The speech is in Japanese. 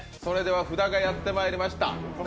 札がやってまいりました。